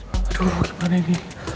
aduh gimana ini